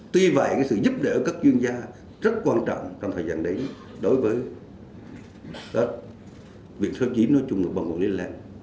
tuy vậy sự giúp đỡ các chuyên gia rất quan trọng trong thời gian đấy đối với việc sơ chiếm nói chung là bằng hội lý lãnh